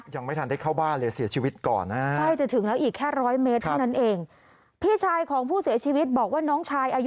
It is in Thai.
ยังไม่ทันเดี๋ยวเข้าบ้านเลยเสียชีวิตก่อน